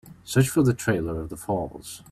Search for the trailer of The Falls